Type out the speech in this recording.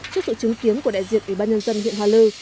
trước sự chứng kiến của đại diện ủy ban nhân dân huyện hoa lư